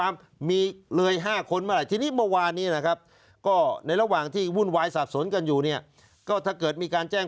มีของทุนเรื่องตรงของถ้าเกิดมีการแจ้ง